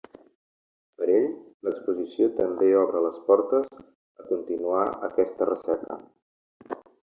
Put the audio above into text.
Per ell, l’exposició també obre les portes a continuar aquesta recerca.